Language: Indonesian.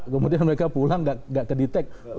kemudian mereka pulang tidak di detect